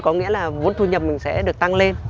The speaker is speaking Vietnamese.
có nghĩa là vốn thu nhập mình sẽ được tăng lên